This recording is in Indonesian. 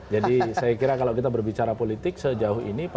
jadi saya kira kalau kita berbicara politik sejauh ini